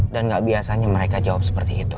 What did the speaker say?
dan gak biasanya mereka jawab seperti itu